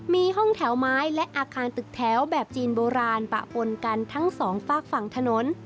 มีห้องแถวไม้และอาคารตึกแถวแบบจีนโบราณปะปนกันทั้งสองฝากฝั่งถนน